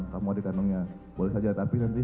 kamu dikandungnya boleh saja tapi nanti